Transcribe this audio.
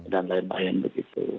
dan lain lain begitu